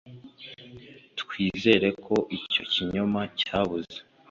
twizere ko icyo kinyoma cyabuze